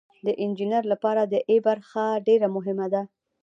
د انجینر لپاره د ای برخه ډیره مهمه ده.